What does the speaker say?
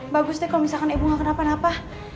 bagus deh kalau misalkan ibu nggak kena apa apa